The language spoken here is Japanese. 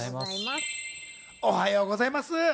おはようございます。